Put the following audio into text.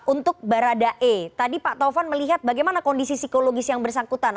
untuk baradae tadi pak tovan melihat bagaimana kondisi psikologis yang bersangkutan